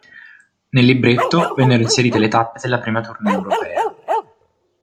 Nel libretto vennero inserite le tappe della prima tournée europea.